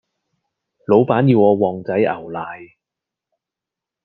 老闆我要旺仔牛奶